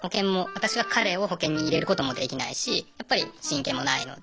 私が彼を保険に入れることもできないしやっぱり親権もないので。